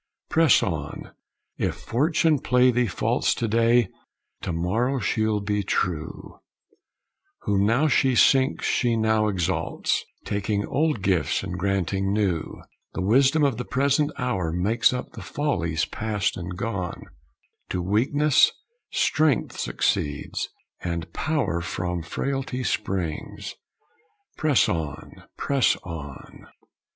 Press on! If Fortune play thee false To day, to morrow she'll be true; Whom now she sinks she now exalts, Taking old gifts and granting new, The wisdom of the present hour Makes up the follies past and gone; To weakness strength succeeds, and power From frailty springs! Press on, press on!